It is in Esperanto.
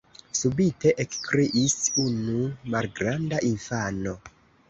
subite ekkriis unu malgranda infano.